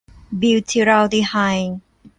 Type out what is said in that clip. บิวธีรัลดีไฮด์